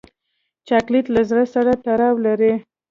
چاکلېټ له زړه سره تړاو لري.